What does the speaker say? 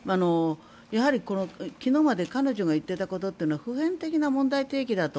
やはり、昨日までは彼女が言っていたことというのは普遍的な問題提起だと。